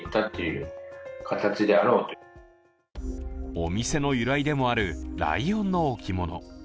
お店の由来でもあるライオンの置物。